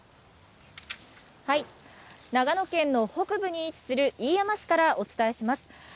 長野県の北部に位置する飯山市からお伝えします。